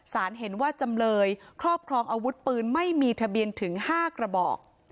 สารเห็นว่าจำเลยครอบครองอาวุธปืนไม่มีทะเบียนถึง๕กระบอก